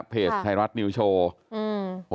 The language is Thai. เพจไทยรัฐนิวโชว์อืม